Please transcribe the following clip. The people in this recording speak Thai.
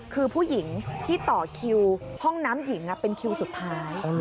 คือผู้หญิงที่ต่อคิวห้องน้ำหญิงเป็นคิวสุดท้าย